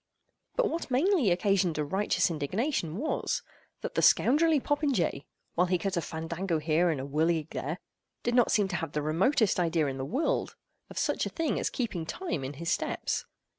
But what mainly occasioned a righteous indignation was, that the scoundrelly popinjay, while he cut a fandango here, and a whirligig there, did not seem to have the remotest idea in the world of such a thing as keeping time in his steps.